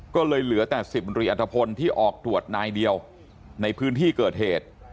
ก็เลยเหลือแต่๑๐มรีอัตภพลที่ออกตรวจนายเดียวในพื้นที่เกิดเหตุ